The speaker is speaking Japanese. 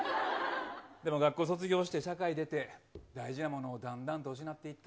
でも学校卒業して社会出て、大事なものをだんだんと失っていった。